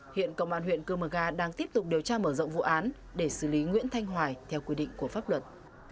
hiện công an huyện cư mường an đang tiếp tục điều tra mở rộng vụ án để xử lý nguyễn thanh hoài theo quy định của pháp luật